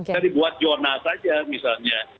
jadi buat zona saja misalnya